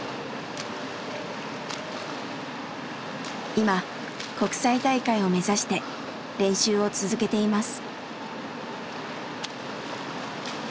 今国際大会を目指して練習を続けています。